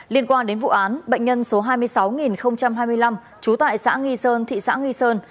liên quan đến vụ án bệnh nhân số hai mươi sáu nghìn hai mươi năm trú tại xã nghi sơn thị xã nghi sơn